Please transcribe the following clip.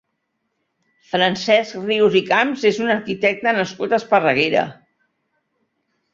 Francesc Rius i Camps és un arquitecte nascut a Esparreguera.